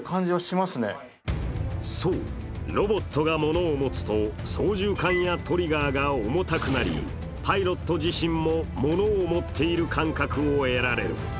そう、ロボットが物を持つと操縦かんやトリガーが重くなりパイロット自身も物を持っている感覚を得られる。